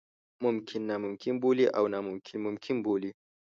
ممکن ناممکن بولي او ناممکن ممکن بولي.